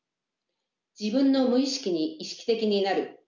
自分の無意識に意識的になる。